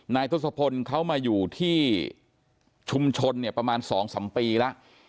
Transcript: ทศพลเขามาอยู่ที่ชุมชนเนี่ยประมาณ๒๓ปีแล้ว